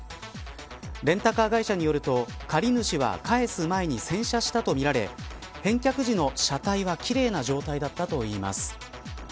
レンタカー会社によると借主は返す前に洗車したとみられ返却時の車体は奇麗な状態だったといいます。